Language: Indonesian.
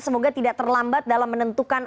semoga tidak terlambat dalam menentukan